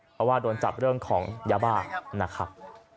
เพราะว่าโดนจับเรื่องของยาบ้านะครับ